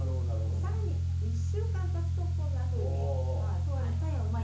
さらに１週間たつとこんなふうに。